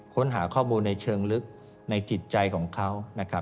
ค้นหาข้อมูลในเชิงลึกในจิตใจของเขานะครับ